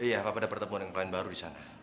iya pak pa ada pertemuan yang lain baru disana